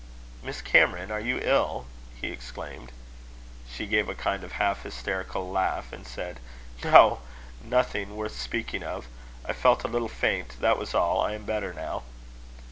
"Miss Cameron, are you ill?" he exclaimed. She gave a kind of half hysterical laugh, and said: "No nothing worth speaking of. I felt a little faint, that was all. I am better now."